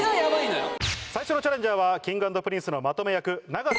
最初のチャレンジャーはＫｉｎｇ＆Ｐｒｉｎｃｅのまとめ役。